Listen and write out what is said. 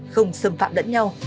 không xâm phạm đẫn nhau